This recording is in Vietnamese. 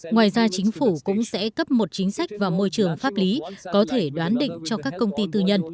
ngoài ra chính phủ cũng sẽ cấp một chính sách vào môi trường pháp lý có thể đoán định cho các công ty tư nhân